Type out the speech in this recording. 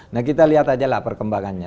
nah kita lihat aja lah perkembangannya